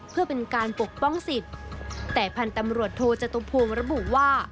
เพื่อเป็นการปกป้องสิทธิ์แต่พันธ์ตำรวจโทจตุภูมิระบุว่า